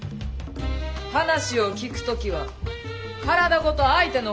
話を聞く時は体ごと相手の方を向く。